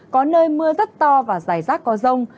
có nơi mưa rất to và dài rác có rông